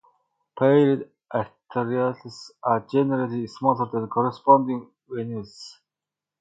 Paired arterioles are generally smaller than corresponding venules.